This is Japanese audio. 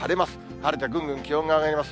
晴れてぐんぐん気温が上がります。